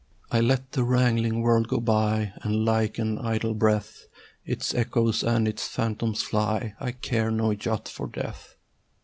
I let the wrangling world go by, And like an idle breath Its echoes and its phantoms fly: I care no jot for death.